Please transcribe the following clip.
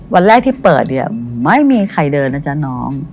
วันแรกที่เปิดไม่มีใครเดิน